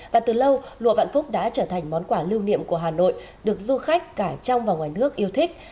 và từ lâu lụa vạn phúc đã trở thành món quà lưu niệm của hà nội được du khách cả trong và ngoài nước yêu thích